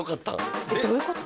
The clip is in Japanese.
どういうこと？